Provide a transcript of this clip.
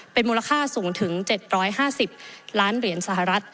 เป็นมูลค่าสูงถึง๗๕๐ล้านเหรียญสหรัฐ